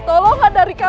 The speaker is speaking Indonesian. aku juga mencari ayah